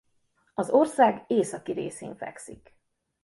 Az ország északi részén fekszik.